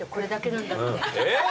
えっ！？